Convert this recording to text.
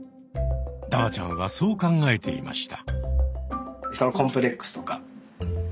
ダバちゃんはそう考えていました。